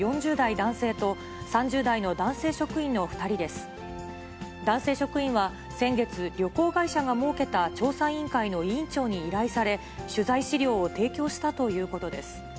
男性職員は先月、旅行会社が設けた調査委員会の委員長に依頼され、取材資料を提供したということです。